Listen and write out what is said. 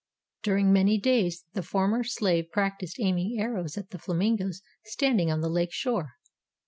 During many days the former slave practiced aiming arrows at the flamingoes standing on the lake shore.